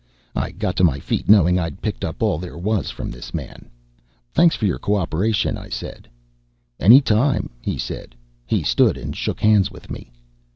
I got to my feet, knowing I'd picked up all there was from this man. "Thanks a lot for your cooperation," I said. "Any time," he said. He stood and shook hands with me.